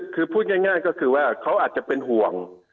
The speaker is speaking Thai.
คือพูดง่ายก็คือว่าเขาอาจจะเป็นห่วง